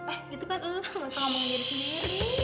eh itu kan lu langsung ngomongin diri sendiri